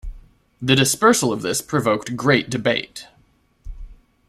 The dispersal of this provoked great debate.